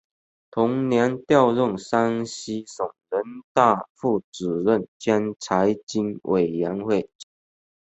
同年调任山西省人大副主任兼财经委员会主任。